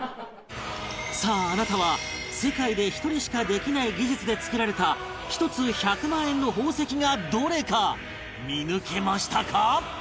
さああなたは世界で１人しかできない技術で作られた１つ１００万円の宝石がどれか見抜けましたか？